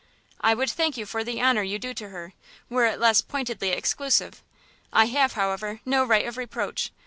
"I would thank you for the honour you do her, were it less pointedly exclusive. I have, however, no right of reproach!